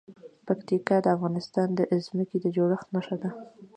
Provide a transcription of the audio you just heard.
پکتیکا د افغانستان د ځمکې د جوړښت نښه ده.